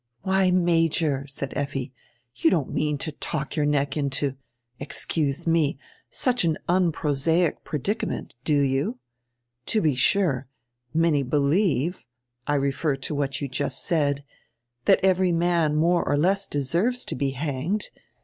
"Why, Major," said Effi, "you don't mean to talk your neck into — excuse me! — such an unprosaic predicament, do you? To be sure, many believe — I refer to what you just said — that every man more or less deserves to be hanged.